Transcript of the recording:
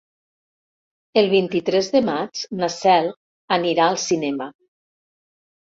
El vint-i-tres de maig na Cel anirà al cinema.